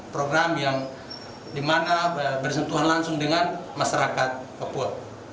program yang dimana bersentuhan langsung dengan masyarakat papua